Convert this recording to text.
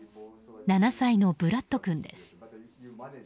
７歳のブラッド君です。